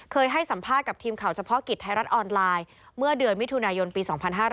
ให้สัมภาษณ์กับทีมข่าวเฉพาะกิจไทยรัฐออนไลน์เมื่อเดือนมิถุนายนปี๒๕๕๙